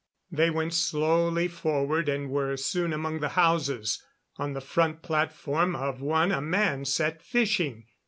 They went slowly forward and were soon among the houses. On the front platform of one a man sat fishing.